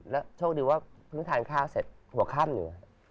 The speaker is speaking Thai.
แล้วโชคดีว่าเพิ่งทานข้าวเสร็จหัวข้ามเหนือ